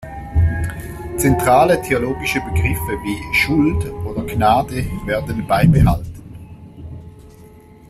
Zentrale theologische Begriffe wie „Schuld“ oder „Gnade“ werden beibehalten.